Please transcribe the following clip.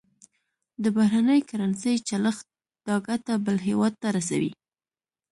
د بهرنۍ کرنسۍ چلښت دا ګټه بل هېواد ته رسوي.